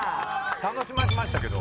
楽しませましたけど。